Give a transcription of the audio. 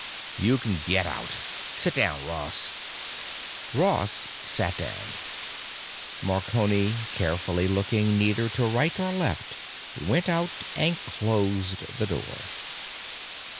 You can get out. Sit down, Ross." Ross sat down. Marconi, carefully looking neither to right or left, went out and closed the door.